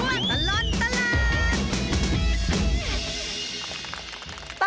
ช่วงตลอดตลาด